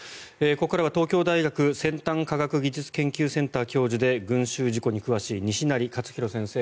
ここからは東京大学先端科学技術研究センター教授で群衆事故に詳しい西成活裕先生